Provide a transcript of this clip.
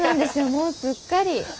もうすっかり。